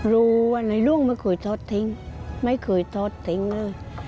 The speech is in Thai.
รู้ว่าในรุ่งไม่เคยทอดทิ้งไม่เคยทอดทิ้งเลย